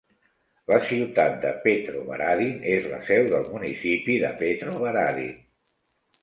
La ciutat de Petrovaradin és la seu del municipi de Petrovaradin.